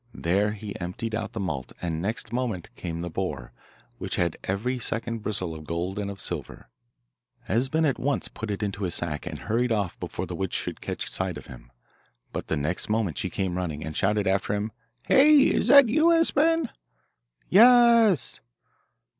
There he emptied out the malt, and next moment came the boar, which had every second bristle of gold and of silver. Esben at once put it into his sack and hurried off before the witch should catch sight of him; but the next moment she came running, and shouted after him, 'Hey! is that you, Esben?' 'Ye e s!